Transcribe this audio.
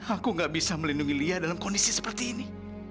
aku gak bisa melindungi lia dalam kondisi seperti ini